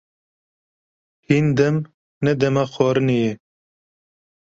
Hîn dem ne dema xwarinê ye.